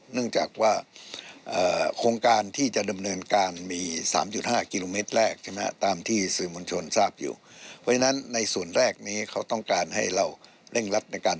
เนื่องจากว่าโครงการที่จะดำเนินการ